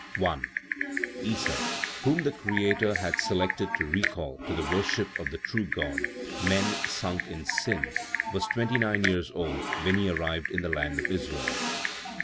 Issa whom the Creator had selected to recall to the worship of the true God, men sunk in sin was twenty nine years old when he arrived in the land of Israel.